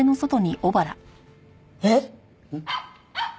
えっ！？